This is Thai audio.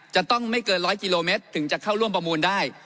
จะต้องไม่เกิน๑๐๐กิโลเมตรถึงจะเข้าร่วมประมูลได้